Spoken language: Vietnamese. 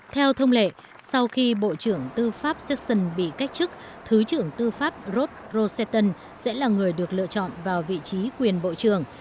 theo thông lệ sau khi bộ trưởng tư pháp sexton bị cách chức thứ trưởng tư pháp rod rosenthal sẽ là người được lựa chọn